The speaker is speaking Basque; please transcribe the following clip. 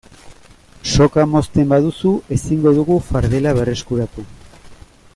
Soka mozten baduzu ezingo dugu fardela berreskuratu.